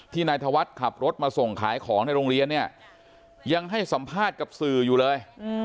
นายธวัฒน์ขับรถมาส่งขายของในโรงเรียนเนี่ยยังให้สัมภาษณ์กับสื่ออยู่เลย